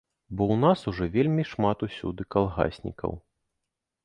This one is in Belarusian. Бо ў нас ужо вельмі шмат усюды калгаснікаў.